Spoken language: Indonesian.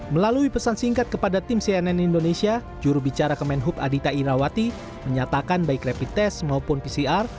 melalui pesan singkat kepada tim cnn indonesia jurubicara kemenhub adita irawati menyatakan baik rapid test maupun pcr